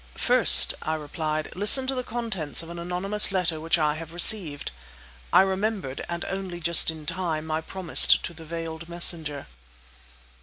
"First," I replied, "listen to the contents of an anonymous letter which I have received." (I remembered, and only just in time, my promise to the veiled messenger.)